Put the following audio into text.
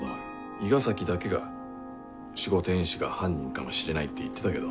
伊賀崎だけが守護天使が犯人かもしれないって言ってたけど。